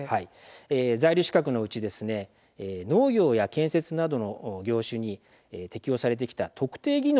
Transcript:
在留資格のうち農業や建設業などの業種に適用されてきた特定技能